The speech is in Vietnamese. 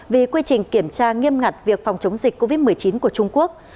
vì quy trình kiểm tra nghiêm ngặt việc phòng chống dịch covid một mươi chín của trung quốc